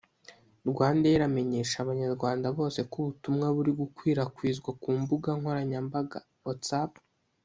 “RwandAir iramenyesha abanyarwanda bose ko ubutumwa buri gukwirakwizwa ku mbugankoranyambaga ( Whatsapp )